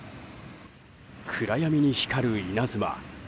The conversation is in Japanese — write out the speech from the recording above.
暗闇に光る稲妻。